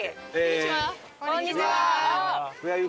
こんにちは！